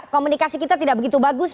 komunikasi kita tidak begitu bagus